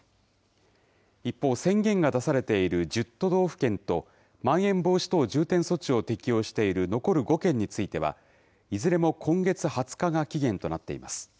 一方、宣言が出されている１０都道府県と、まん延防止等重点措置を適用している残る５県については、いずれも今月２０日が期限となっています。